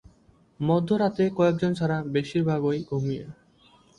মধ্যরাতে কয়েকজন ছাড়া বেশির ভাগই ঘুমিয়ে।